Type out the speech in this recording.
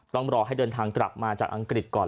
ต้องรอให้เดินทางกลับมาจากอังกฤษก่อน